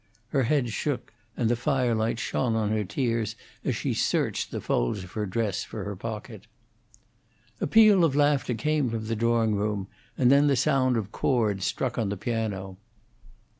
Her head shook, and the firelight shone on her tears as she searched the folds of her dress for her pocket. A peal of laughter came from the drawing room, and then the sound of chords struck on the piano.